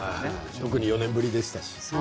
特に４年ぶりですし。